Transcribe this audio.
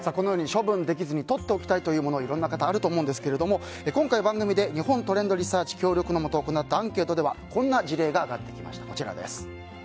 処分できずにとっておきたいというものがいろんなものがあると思うんですが今回、番組で日本トレンドリサーチ協力のもと行ったアンケートではこんな事例が挙がってきました。